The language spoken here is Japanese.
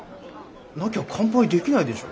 なきゃ乾杯できないでしょ。